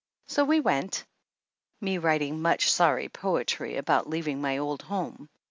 So we went, me writing much sorry poetry about leaving my old home.